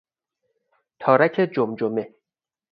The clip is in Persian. تارک جمجمه